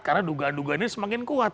karena dugaan dugaannya semakin kuat